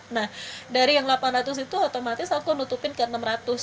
nah dari yang delapan ratus itu otomatis aku nutupin ke enam ratus